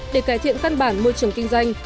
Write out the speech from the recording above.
để cải thiện căn bản môi trường kinh doanh